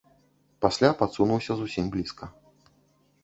Пасля падсунуўся зусім блізка.